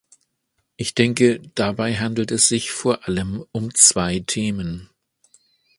Ich denke, dabei handelt es sich vor allem um zwei Themen.